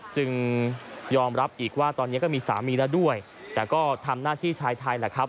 ยอมรับอีกว่าตอนนี้ก็มีสามีแล้วด้วยแต่ก็ทำหน้าที่ชายไทยแหละครับ